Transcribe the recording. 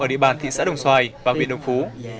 ở địa bàn thị xã đồng xoài và huyện đồng phú